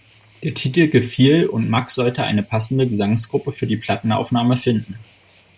Der Titel gefiel und Mack sollte eine passende Gesangsgruppe für die Plattenaufnahme finden.